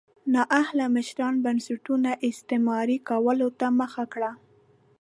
نااهله مشرانو بنسټونو استثماري کولو ته مخه کړه.